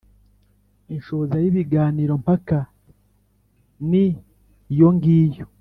Inshoza y’ibiganiro mpaka ni iyongiyo